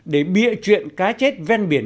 để bia chuyện cá chết ven biển